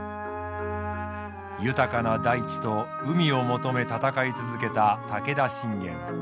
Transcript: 豊かな大地と海を求め戦い続けた武田信玄。